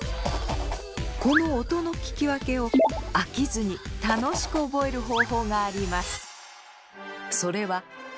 この音の聞き分けを飽きずに楽しく覚える方法があります。